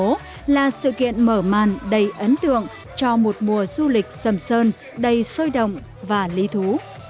carnival đường phố là sự kiện mở màn đầy ấn tượng cho một mùa du lịch sâm sơn đầy sôi động và ly thú